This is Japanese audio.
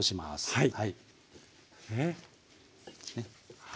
はい。